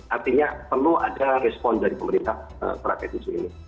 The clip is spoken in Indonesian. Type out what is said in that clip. artinya perlu ada respon dari pemerintah terkait isu ini